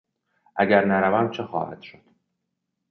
اگر نروم چه خواهد شد؟